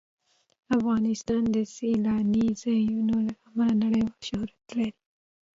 افغانستان د سیلاني ځایونو له امله نړیوال شهرت لري.